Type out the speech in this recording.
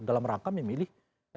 dalam rangka memilih